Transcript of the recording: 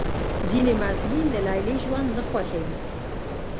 ځینې محصلین د لیلیې ژوند نه خوښوي.